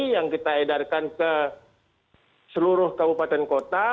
yang kita edarkan ke seluruh kabupaten kota